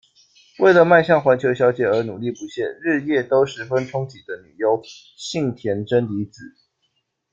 为了迈向环球小姐而努力不懈，日夜都十分憧憬的女优：幸田真理子。